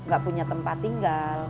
gak punya tempat tinggal